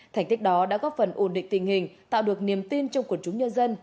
thành tích đó đã góp phần ổn định tình hình tạo được niềm tin trong quần chúng nhân dân